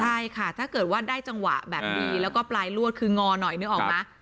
ใช่ค่ะถ้าเกิดว่าได้จังหวะแบบนี้แล้วก็ปลายลวดคืองอหน่อยนึกออกไหม